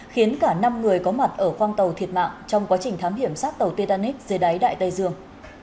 khiến cả năm người có mặt ở khoang tàu thiệt mạng trong quá trình thám hiểm sát tàu tetanic dưới đáy đại tây dương